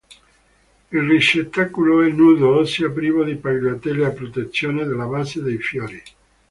Il ricettacolo è "nudo", ossia privo di pagliette a protezione della base dei fiori.